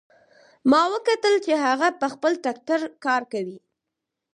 ما وکتل چې هغه په خپل ټکټر کار کوي